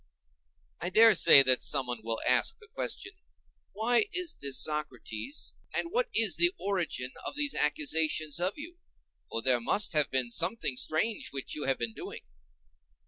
I dare say that someone will ask the question, "Why is this, Socrates, and what is the origin of these accusations of you: for there must have been something strange which you have been doing?